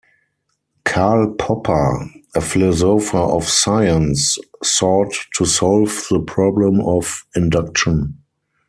Karl Popper, a philosopher of science, sought to solve the problem of induction.